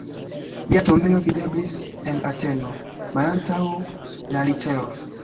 Lia tombejo videblis en Ateno, malantaŭ la Liceo.